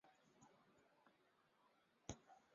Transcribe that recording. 九月两军在五原一带的黄河隔岸对峙。